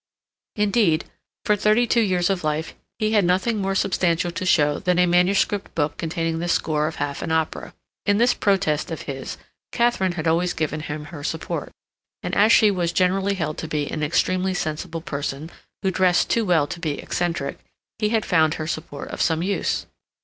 Indeed, for thirty two years of life he had nothing more substantial to show than a manuscript book containing the score of half an opera. In this protest of his, Katharine had always given him her support, and as she was generally held to be an extremely sensible person, who dressed too well to be eccentric, he had found her support of some use.